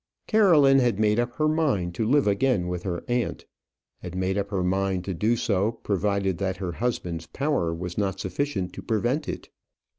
Caroline had made up her mind to live again with her aunt had made up her mind to do so, providing that her husband's power was not sufficient to prevent it.